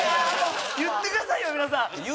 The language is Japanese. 言ってくださいよ皆さん！